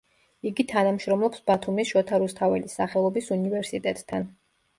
იგი თანამშრომლობს ბათუმის შოთა რუსთაველის სახელობის უნივერსიტეტთან.